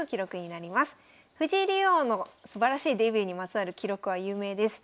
藤井竜王のすばらしいデビューにまつわる記録は有名です。